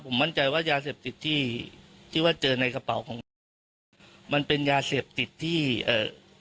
ผมมั่นใจว่ายาเสพติดที่ที่ว่าเจอในกระเป๋าของน้องเนี้ยมันเป็นยาเสพติดที่เอ่อ